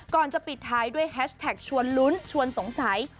ก่อนจะปิดท้ายด้วยแฮชแท็กชวนลุ้นชวนสงสัย